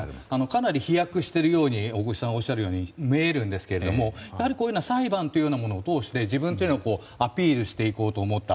かなり飛躍しているように見えるんですがやはり、こういうのは裁判というものを通して自分をアピールしていこうと思った。